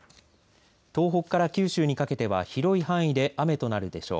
東北から九州にかけては広い範囲で雨となるでしょう。